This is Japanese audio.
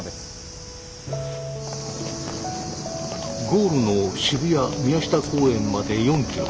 ゴールの渋谷・宮下公園まで４キロ。